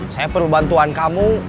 saya perlu bantuan kamu